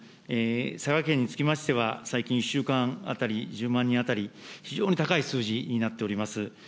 佐賀県につきましては、最近１週間当たり１０万人当たり、非常に高い数字になっております。